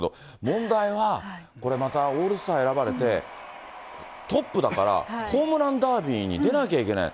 問題は、これまたオールスター選ばれて、トップだから、ホームランダービーに出なきゃいけない。